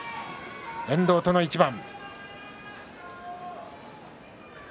遠藤との一番。